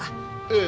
ええ。